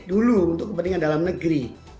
dulu untuk kepentingan dalam negeri